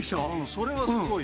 それはすごいよ。